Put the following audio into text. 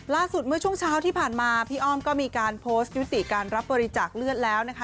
เมื่อช่วงเช้าที่ผ่านมาพี่อ้อมก็มีการโพสต์ยุติการรับบริจาคเลือดแล้วนะคะ